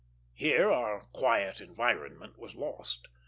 Here our quiet environment was lost.